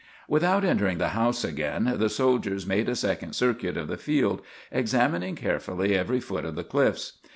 Without entering the house again, the soldiers made a second circuit of the field, examining carefully every foot of the cliffs.